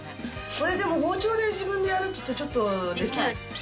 これ、でも包丁で自分でやるっていうとちょっとできない。